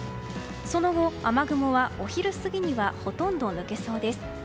その後、雨雲はお昼過ぎにはほとんど抜けそうです。